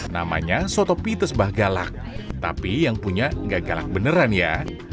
namanya soto pites bah galak tapi yang punya enggak galak beneran ya